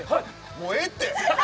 もうええって！